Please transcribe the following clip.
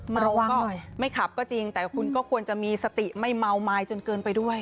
เพราะว่าไม่ขับก็จริงแต่คุณก็ควรจะมีสติไม่เมาไม้จนเกินไปด้วย